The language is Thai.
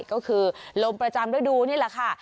ก็คือลมประจำฤดูนี่แหละค่ะ